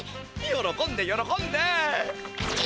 よろこんでよろこんで！